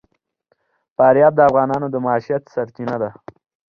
فاریاب د افغانانو د معیشت سرچینه ده.